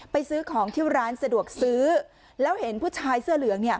ซื้อของที่ร้านสะดวกซื้อแล้วเห็นผู้ชายเสื้อเหลือง